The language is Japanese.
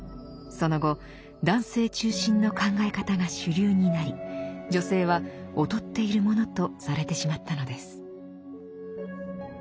その後男性中心の考え方が主流になり女性は劣っているものとされてしまったのです。